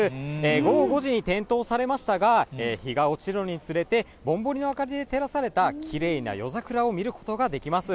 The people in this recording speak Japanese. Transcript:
午後５時に点灯されましたが、日が落ちるのにつれて、ぼんぼりの明かりで照らされたきれいな夜桜を見ることができます。